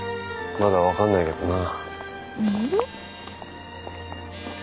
まだ分かんないけどな。